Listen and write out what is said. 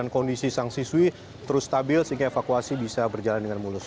kondisi sang siswi terus stabil sehingga evakuasi bisa berjalan dengan mulus